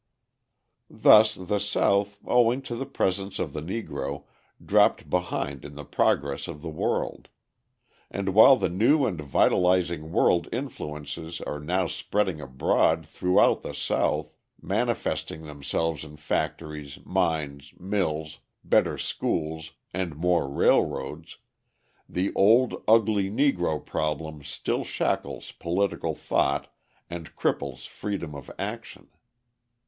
Thus the South, owing to the presence of the Negro, dropped behind in the progress of the world. And while the new and vitalising world influences are now spreading abroad throughout the South, manifesting themselves in factories, mines, mills, better schools, and more railroads, the old, ugly Negro problem still shackles political thought and cripples freedom of action.